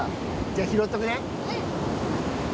じゃあ、拾っとくね。